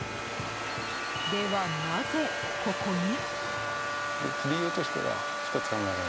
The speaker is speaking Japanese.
では、なぜここに？